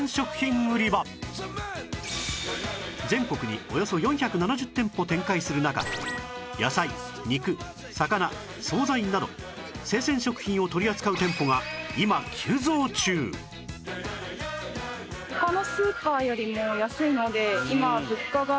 全国におよそ４７０店舗展開する中野菜肉魚惣菜など生鮮食品を取り扱う店舗が今急増中わあ